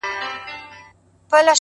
وای هسې نه چي تا له خوبه و نه باسم _